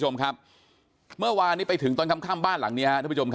เมื่อวานนี้ไปถึงตอนค่ำบ้านหลังนี้